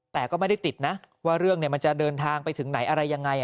แต่ก็ไม่ได้ติดนะว่าเรื่องมันจะเดินทางไปถึงไหนอะไรยังไง